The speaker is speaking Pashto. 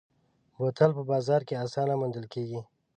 بوتل په بازار کې اسانه موندل کېږي.